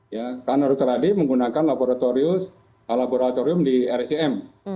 ya karena dr ade menggunakan laboratorium di rsim